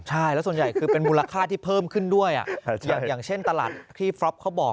ใช่แล้วส่วนใหญ่คือเป็นมูลค่าที่เพิ่มขึ้นด้วยอย่างเช่นตลาดที่ฟรอปเขาบอก